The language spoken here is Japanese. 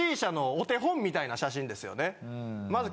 みたいな写真ですよね。